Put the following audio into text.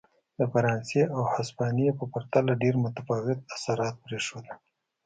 د فرانسې او هسپانیې په پرتله ډېر متفاوت اثرات پرېښودل.